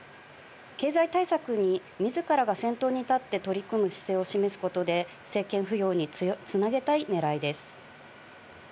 経済対策に自らが先頭に立って取り組む姿勢を示すことで、政権浮揚に繋げたい狙いです。